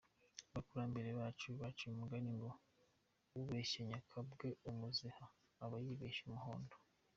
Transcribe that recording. Abakurambere bacu baciye umugani ngo “ubeshya nyakabwa umuziha aba y’ibeshya umuhondo”!